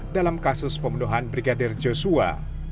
dalam kasus pembunuhan brigadir joshua